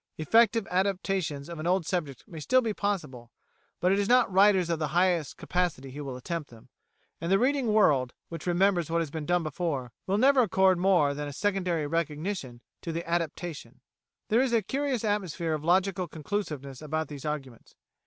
... Effective adaptations of an old subject may still be possible; but it is not writers of the highest capacity who will attempt them, and the reading world, which remembers what has been done before, will never accord more than a secondary recognition to the adaptation" (p. 299). There is a curious atmosphere of logical conclusiveness about these arguments.